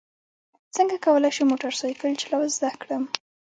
څنګه کولی شم موټر سایکل چلول زده کړم